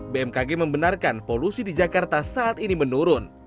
bmkg membenarkan polusi di jakarta saat ini menurun